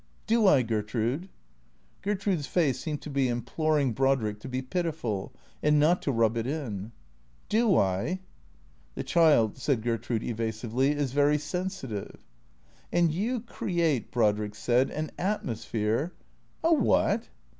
"Do I, Gertrude?" Gertrude's face seemed to be imploring Brodrick to be pitiful^ and not to rub it in. " Do I ?"" The child," said Gertrude evasively, " is very sensitive." " And you create," Brodrick said, " an atmosphere "" A what